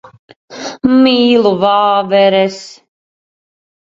Mīlu vāveres.